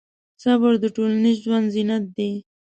صبر د ټولنیز ژوند زینت دی.